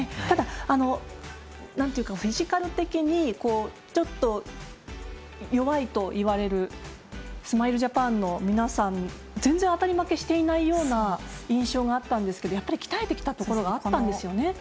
ただ、フィジカル的にちょっと弱いといわれるスマイルジャパンの皆さん全然当たり負けしていないような印象があったんですけど鍛えてきたところがあったんですよね。